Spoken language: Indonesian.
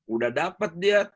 udah dapat dia